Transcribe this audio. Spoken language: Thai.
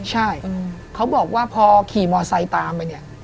ใช่เขาบอกว่าพอขี่มอเซ้ตามไป